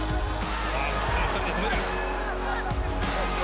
ここも２人で止める！